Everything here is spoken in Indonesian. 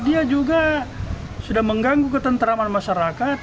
dia juga sudah mengganggu ketentraman masyarakat